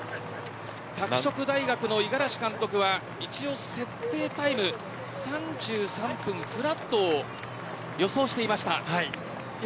拓殖大学の五十嵐監督は一応、設定タイム３３分フラットを予想していました。